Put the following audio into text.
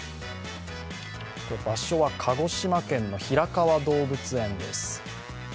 場所は鹿児島県の平川動物園です。